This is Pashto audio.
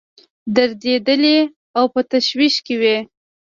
دردېدلي او په تشویش کې وي.